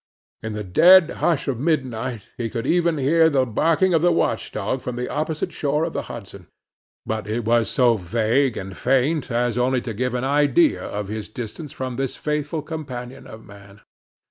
In the dead hush of midnight, he could even hear the barking of the watchdog from the opposite shore of the Hudson; but it was so vague and faint as only to give an idea of his distance from this faithful companion of man.